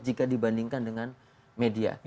jika dibandingkan dengan media